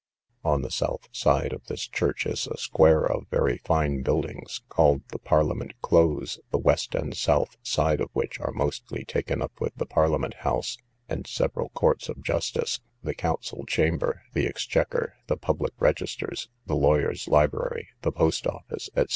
On the south side of this church is a square of very fine buildings, called the Parliament Close, the west and south side of which are mostly taken up with the Parliament house, the several courts of justice, the council chamber, the exchequer, the public registers, the lawyers' library, the post office, &c.